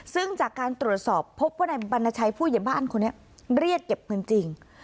ซึ่งจากการตรวจสอบพบว่าในบรรณชัยผู้ใหญ่บ้านคนนี้เรียกเก็บเงินจริง